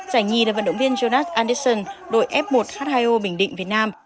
giải nhì là vận động viên jonas andeson đội f một h hai o bình định việt nam